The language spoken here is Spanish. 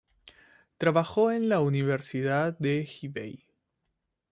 Trabajó en la Universidad de Hebei.